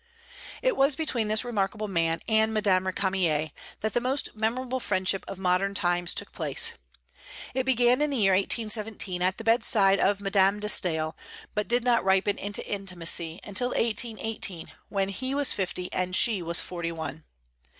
It was between this remarkable man and Madame Récamier that the most memorable friendship of modern times took place. It began in the year 1817 at the bedside of Madame de Staël, but did not ripen into intimacy until 1818, when he was fifty and she was forty one.